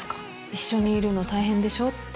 一緒にいるの大変でしょ？って。